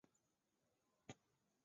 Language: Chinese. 西晋永嘉四年。